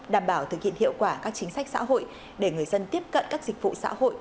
đảm bảo thực hiện hiệu quả các chính sách xã hội để người dân tiếp cận các dịch vụ xã hội